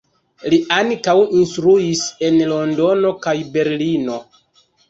Li ankaŭ instruis en Londono kaj Berlino.